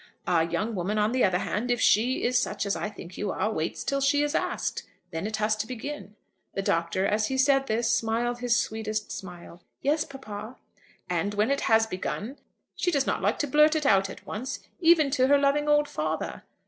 "A young woman, on the other hand, if she is such as I think you are, waits till she is asked. Then it has to begin." The Doctor, as he said this, smiled his sweetest smile. "Yes, papa." "And when it has begun, she does not like to blurt it out at once, even to her loving old father."